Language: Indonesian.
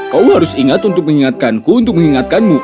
kau harus ingat untuk mengingatkanku untuk mengingatkanmu